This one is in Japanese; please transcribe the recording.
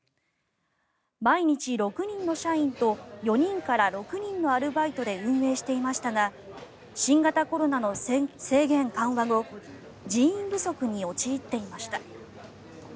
毎日６人の社員と４人から６人のアルバイトで運営していましたが新型コロナの制限緩和後人員不足に陥っていました。